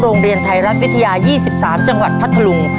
โรงเรียนไทยรัฐวิทยา๒๓จังหวัดพัทธลุง